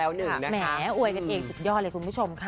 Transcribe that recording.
แหมอวยกันเองสุดยอดเลยคุณผู้ชมค่ะ